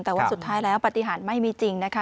แต่ว่าสุดท้ายแล้วปฏิหารไม่มีจริงนะคะ